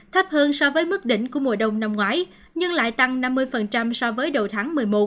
thấp hơn so với mức đỉnh của mùa đông năm ngoái nhưng lại tăng năm mươi so với đầu tháng một mươi một